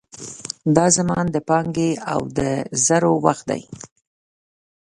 دا زمان د پانګې او د زرو وخت دی.